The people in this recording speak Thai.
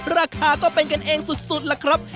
ราคาก็เป็นกันเองสุดล่ะครับ